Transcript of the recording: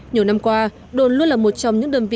nhiều năm qua đồn luôn là một trong những đơn vị